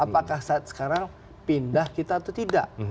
apakah saat sekarang pindah kita atau tidak